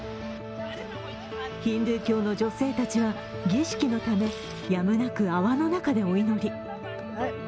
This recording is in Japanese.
ヒンズー教の女性たちは儀式のため、やむなく泡の中でお祈り。